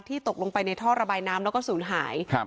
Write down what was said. ตกลงไปในท่อระบายน้ำแล้วก็ศูนย์หายครับ